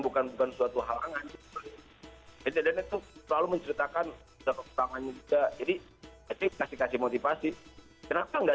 bukan bukan suatu halangan itu selalu menceritakan sudah kekurangannya juga jadi kasih kasih motivasi kenapa enggak